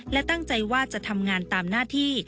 และตั้งใจว่าจะทำงานตามหน้าที่